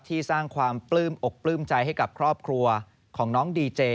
สร้างความปลื้มอกปลื้มใจให้กับครอบครัวของน้องดีเจ